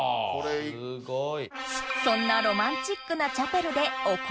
すごい。